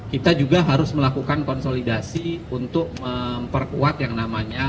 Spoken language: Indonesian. kita juga harus melakukan konsolidasi untuk memperkuat yang namanya